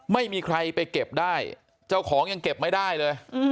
ไม่มีใครไปเก็บได้เจ้าของยังเก็บไม่ได้เลย